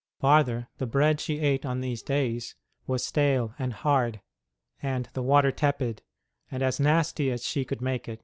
Farther, the bread she ate on these days was stale and hard, and the water tepid, and as nasty as she could make it.